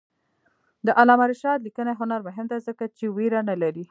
د علامه رشاد لیکنی هنر مهم دی ځکه چې ویره نه لري.